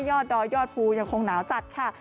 ยอดดอยยอดภูยังคงหนาวจัดค่ะ